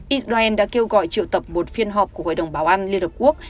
israel đã kêu gọi triệu tập một phiên họp của hội đồng bảo an liên hợp quốc